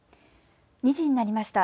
２時になりました。